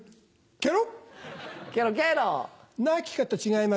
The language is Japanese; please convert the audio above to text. ケロ！